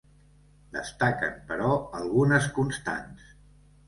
Destaquen, però, algunes constants.